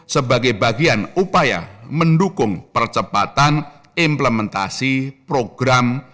sebagai bagian upaya mendukung percepatan implementasi program